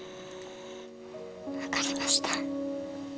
分かりました。